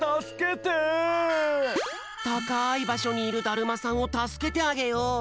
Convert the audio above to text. たかいばしょにいるだるまさんをたすけてあげよう。